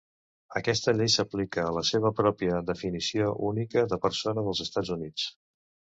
Aquesta llei s'aplica a la seva pròpia definició única de persona dels Estats Units.